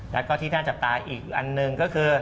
แล้วก็ที่น่าจับตาอีกอันหนึ่งก็คือ